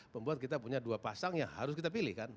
membuat kita punya dua pasang yang harus kita pilih kan